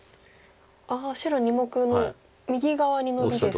白２目の右側にノビですか。